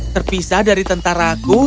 terpisah dari tentaraku